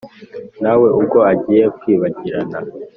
Nawe ubwo agiye kwibagirana